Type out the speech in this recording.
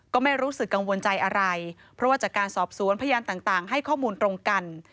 ก็ไม่รู้สึกกังวลใจอะไรเพราะว่าจากการสอบสวนพยานต่างให้ข้อมูลตรงกัน